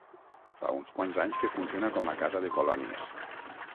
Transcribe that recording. Fa uns quants anys que funciona com a Casa de Colònies.